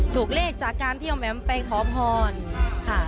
ถูกเลขจากการที่เอาแหม่มไปขอพรค่ะ